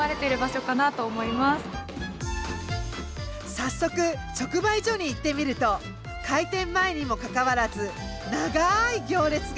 早速直売所に行ってみると開店前にもかかわらず長い行列が。